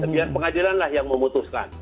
biar pengadilan lah yang memutuskan